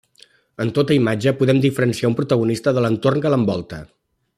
En tota imatge, podem diferenciar un protagonista de l'entorn que l'envolta.